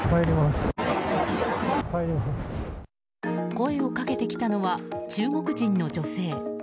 声をかけてきたのは中国人の女性。